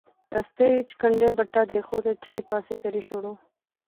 رستے اچ کنڈے بٹا دیخو تے چائی پاسے کری شوڑو